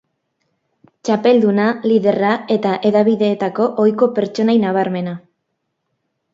Txapelduna, liderra eta hedabideetako ohiko pertsonai nabarmena.